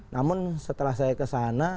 namun setelah saya kesana